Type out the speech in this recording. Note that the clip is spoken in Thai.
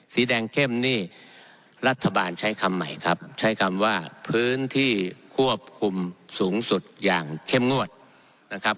สีแดงเข้มนี่รัฐบาลใช้คำใหม่ครับใช้คำว่าพื้นที่ควบคุมสูงสุดอย่างเข้มงวดนะครับ